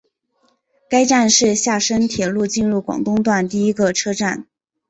该站是厦深铁路进入广东段第一个车站。